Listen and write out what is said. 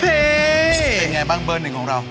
แต่ยังไงบ้างเบอร์หนึ่งของเรา